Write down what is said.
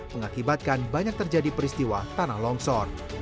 mengakibatkan banyak terjadi peristiwa tanah longsor